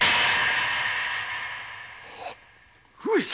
上様！？